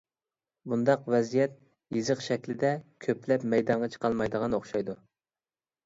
بۇنداق ۋەزىيەت يېزىق شەكلىدە كۆپلەپ مەيدانغا چىقالمايدىغان ئوخشايدۇ.